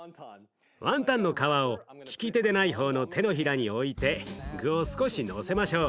ワンタンの皮を利き手でない方の手のひらに置いて具を少しのせましょう。